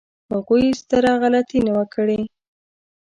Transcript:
هغوی ستره غلطي نه وه کړې.